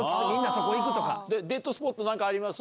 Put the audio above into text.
スポット何かあります？